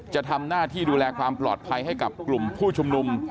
จะทำหน้าที่ดูแลความปลอดภัยให้กับกลุ่มผู้ชุมนุม